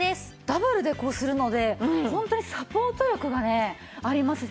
ダブルでこうするのでホントにサポート力がねあります。